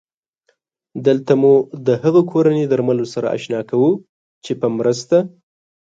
دلته هغه کورني درملو سره مو اشنا کوو چې په مرسته